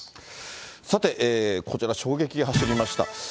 さて、こちら衝撃が走りました。